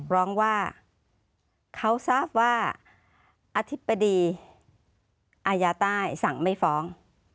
ร้องว่าเขาทราบว่าอธิบดีอายาใต้สั่งไม่ฟ้อง